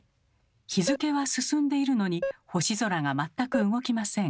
日付は進んでいるのに星空が全く動きません。